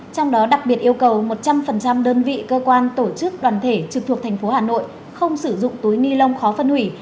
trong đó đặc biệt yêu cầu một trăm linh đơn vị cơ quan tổ chức đoàn thể trực thuộc thành phố hà nội không sử dụng túi ni lông khó phân hủy